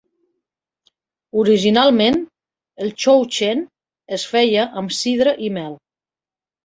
Originalment, el "chouchenn" es feia amb sidra i mel.